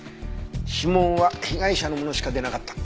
指紋は被害者のものしか出なかった。